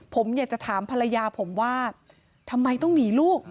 ผมอยากจะถามภรรยาผมว่าทำไมต้องหนีลูก